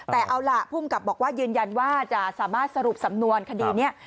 แต่เอาล่ะภูมิกับบอกว่ายืนยันว่าจะสามารถสรุปสำนวนคดีนี้